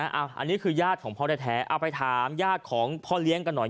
อันนี้คือญาติของพ่อแท้เอาไปถามญาติของพ่อเลี้ยงกันหน่อย